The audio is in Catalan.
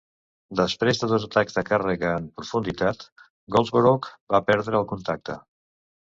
Després de dos atacs de càrrega en profunditat, Goldsborough va perdre el contacte.